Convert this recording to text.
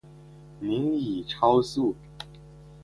您已超速